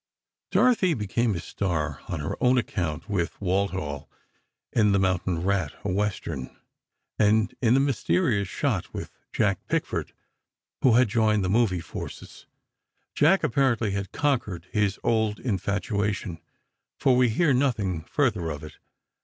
Dorothy became a star on her own account, with Walthall in "The Mountain Rat," a Western; and in "The Mysterious Shot," with Jack Pickford, who had joined the movie forces. Jack, apparently, had conquered his old infatuation, for we hear nothing further of it.